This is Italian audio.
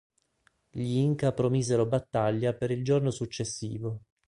Gli Inca promisero battaglia per il giorno successivo.